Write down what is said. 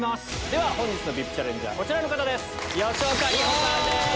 では本日のＶＩＰチャレンジャーこちらの方です！